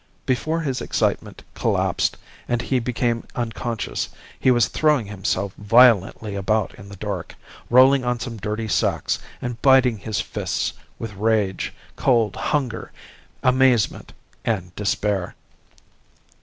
Before his excitement collapsed and he became unconscious he was throwing himself violently about in the dark, rolling on some dirty sacks, and biting his fists with rage, cold, hunger, amazement, and despair.